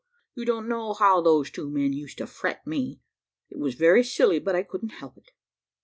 You don't know how those two men used to fret me; it was very silly, but I couldn't help it.